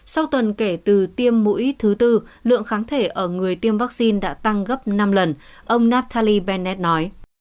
sau tuần kể từ tiêm mũi thứ tư lượng kháng thể ở người tiêm vắc xin đã tăng gấp năm lần ông natali bennett nói